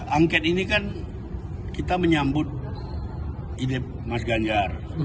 angket ini kan kita menyambut ide mas ganjar